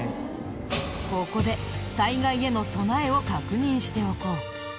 ここで災害への備えを確認しておこう。